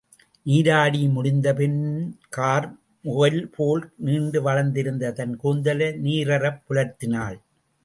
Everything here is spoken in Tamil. நீராடி முடிந்தபின் கார் முகில்போல நீண்டு வளர்ந்திருந்த தன் கூந்தலை நீரறப் புலர்த்தினாள்.